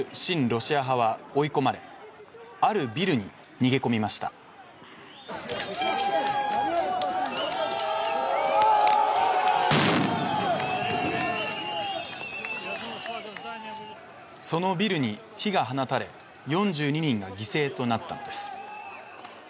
ロシア派は追い込まれあるビルに逃げ込みましたそのビルに火が放たれ４２人が犠牲となったのです